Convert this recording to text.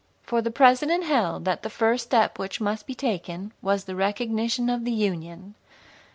For the President held that the first step which must be taken was the recognition of the Union.